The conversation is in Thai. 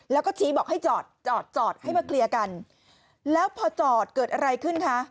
แล้วก็ชี้บอกให้จอดจอดจอดให้มาเคลียร์กันแล้วพอจอดเกิดอะไรขึ้นคะ